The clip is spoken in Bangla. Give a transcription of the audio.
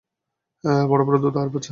বড় বড় দুধ আর পাছা।